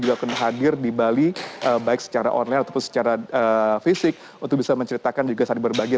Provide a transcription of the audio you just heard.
juga akan hadir di bali baik secara online ataupun secara fisik untuk bisa menceritakan juga saling berbagi